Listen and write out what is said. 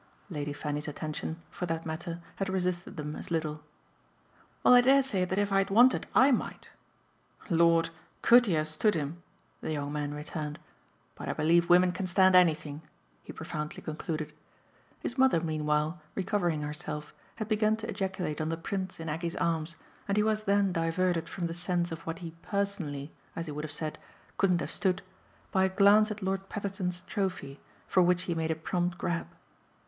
Lady Fanny's attention, for that matter, had resisted them as little. "Well, I dare say that if I had wanted I might!" "Lord COULD you have stood him?" the young man returned. "But I believe women can stand anything!" he profoundly concluded. His mother meanwhile, recovering herself, had begun to ejaculate on the prints in Aggie's arms, and he was then diverted from the sense of what he "personally," as he would have said, couldn't have stood, by a glance at Lord Petherton's trophy, for which he made a prompt grab.